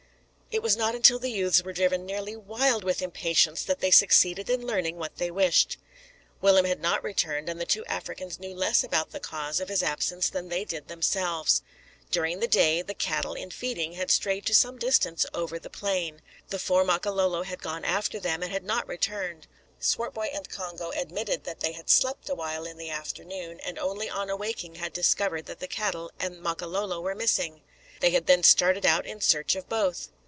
It was not until the youths were driven nearly wild with impatience that they succeeded in learning what they wished. Willem had not returned, and the two Africans knew less about the cause of his absence than they did themselves. During the day, the cattle, in feeding, had strayed to some distance over the plain. The four Makololo had gone after them, and had not returned. Swartboy and Congo admitted that they had slept awhile in the afternoon, and only on awaking had discovered that the cattle and Makololo were missing. They had then started out in search of both.